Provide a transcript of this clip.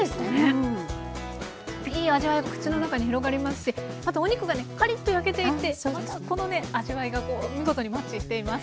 いい味わいが口の中に広がりますしあとお肉がねカリッと焼けていてまたこのね味わいが見事にマッチしています。